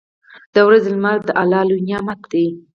• د ورځې لمر د الله لوی نعمت دی.